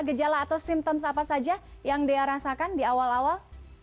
gejala atau simptoms apa saja yang dea rasakan di awal awal